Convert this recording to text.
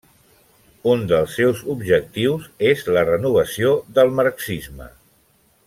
Un dels seus objectius és la renovació del marxisme.